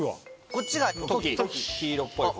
こっちがトキ黄色っぽい方。